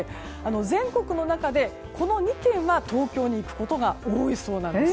全国の中でこの２県は東京に行くことが多いそうなんです。